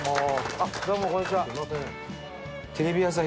あっどうもこんにちは。